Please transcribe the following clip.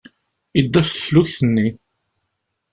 Yedda ɣef teflukt-nni.